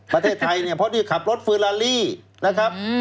ประเทศไทยเนี่ยเพราะนี่ขับรถเฟอร์ลาลี่นะครับ